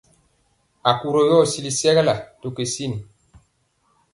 Akurɔ yɔ sili sɛgalaa to kisin.